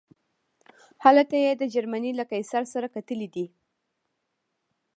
هلته یې د جرمني له قیصر سره کتلي دي.